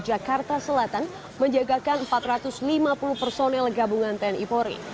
jakarta selatan menjagakan empat ratus lima puluh personel gabungan tni polri